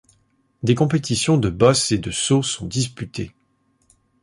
Des compétitions de bosses et de sauts sont disputées.